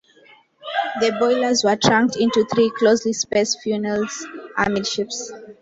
The boilers were trunked into three closely spaced funnels amidships.